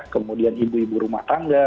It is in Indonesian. kemudian ibu ibu rumah tangga